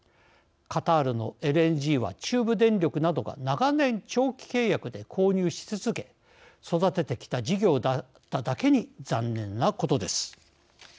カタールのＬＮＧは中部電力などが長年長期契約で購入し続け育ててきた事業だっただけに残念なことです。